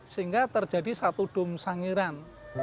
sehingga terjadi satu dom sangiran